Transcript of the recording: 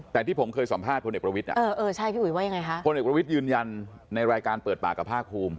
แต่ที่ผมเคยสัมภาษณ์คนเอกประวิทย์อ่ะคนเอกประวิทย์ยืนยันในรายการเปิดปากกับภาคภูมิ